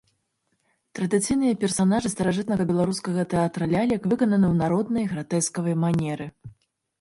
Традыцыйныя персанажы старажытнага беларускага тэатра лялек выкананы ў народнай, гратэскавай манеры.